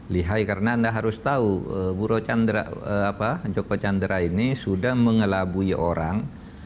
lihai karena anda harus tahu joko chandra ini sudah mengelabui orang